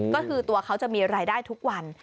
ก็คือตัวเขาจะมีรายได้ทุกวัน